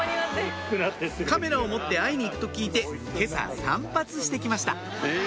カメラを持って会いに行くと聞いて今朝散髪してきました